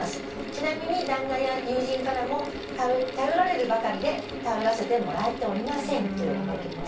「ちなみに旦那や友人からも頼られるばかりで頼らせてもらっておりません」というおはがきもらいました。